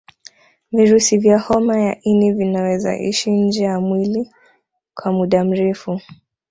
Virusi vya homa ya ini vinaweza ishi nje ya mwili kwa muda mrefu